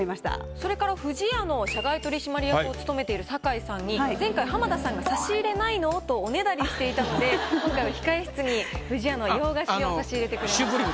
それから「不二家」の社外取締役を務めている酒井さんに前回浜田さんがとおねだりしていたので今回は控え室に「不二家」の洋菓子を差し入れてくれました。